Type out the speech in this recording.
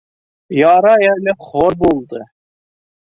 Ярай әле хор булды.